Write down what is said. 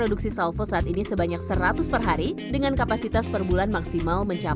untungnya produk yang dikembalikan ke pihak salvo tergolong sangat rendah